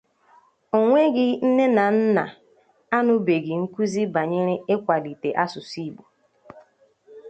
O nweghị nne na nna anụbeghị nkụzi banyere ịkwalite asụsụ Igbo